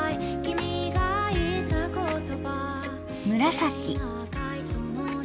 紫。